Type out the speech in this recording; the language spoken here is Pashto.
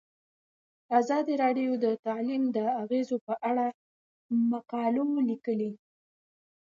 ازادي راډیو د تعلیم د اغیزو په اړه مقالو لیکلي.